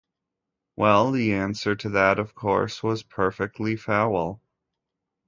Well, the answer to that, of course, was "perfectly foul".